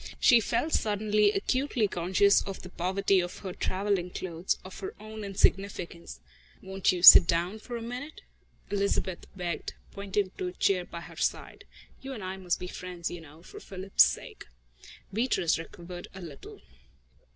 She felt suddenly acutely conscious of the poverty of her travelling clothes, of her own insignificance. "Won't you sit down for a moment?" Elizabeth begged, pointing to a chair by her side. "You and I must be friends, you know, for Philip's sake." Beatrice recovered herself a little.